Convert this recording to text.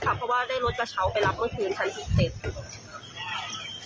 เพราะว่าได้รถกระเช้าไปรับบทคืนชั้น๑๗